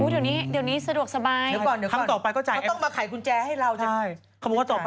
เดี๋ยวหนีสะดวกสบาย